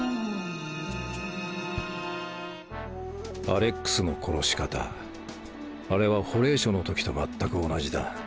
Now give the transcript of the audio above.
アレックスの殺し方あれはホレイショの時と全く同じだ